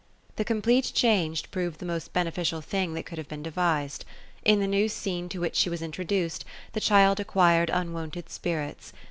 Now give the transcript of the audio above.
The complete change proved the most beneficial thing that could have been devised. In the new scene to which she was introduced, the child acquired unwonted spirits.